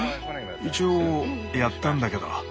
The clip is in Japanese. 一応やったんだけど。